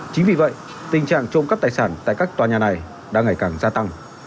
chính vì vậy tình trạng trộm cắp tài sản tại các tòa nhà này đang ngày càng gia tăng